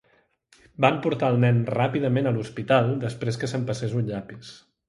Van portar el nen ràpidament a l'hospital després que s'empassés un llapis.